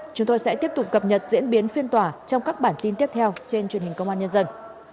chúng tôi sẽ tiếp tục cập nhật diễn biến phiên tòa trong các bản tin tiếp theo trên truyền hình công an nhân dân